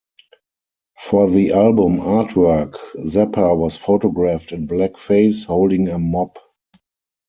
For the album artwork, Zappa was photographed in blackface, holding a mop.